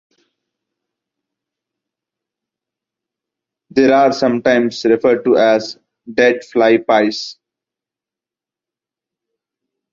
They are sometimes referred to as "dead fly pies".